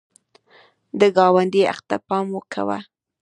د ګاونډي حق ته پام کوه